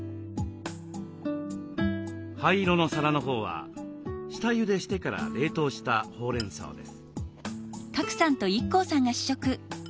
灰色の皿のほうは下ゆでしてから冷凍したほうれんそうです。